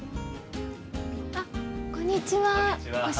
あこんにちは。